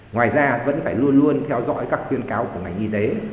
ngoài ra vẫn phải luôn luôn theo dõi các khuyên cáo của ngành y tế